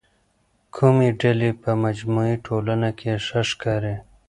کومې ډلې په مجموعي ټولنه کي ښه ښکاري؟